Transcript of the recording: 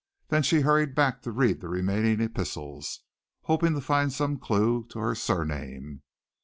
Then she hurried back to read the remaining epistles, hoping to find some clue to her surname.